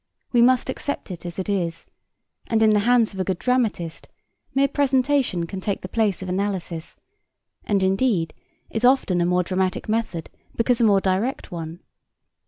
We must accept it as it is: and in the hands of a good dramatist mere presentation can take the place of analysis, and indeed is often a more dramatic method, because a more direct one.